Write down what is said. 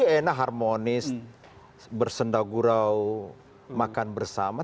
diskusi enak harmonis bersendau gurau makan bersama